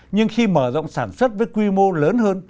nhưng khi mở rộng sản xuất với quy mô lớn hơn